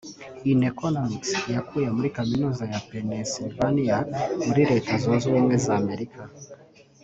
…in Economics yakuye muri Kaminuza ya Pennsylvania muri Leta Zunze Ubumwe za Amerika